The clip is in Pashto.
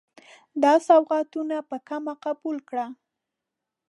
دا سوغاتونه په کمه قبول کړئ.